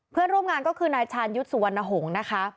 เพื่อนร่วมงานก็คือนายชาญยุทธ์สุวรรณหงษ์นะคะ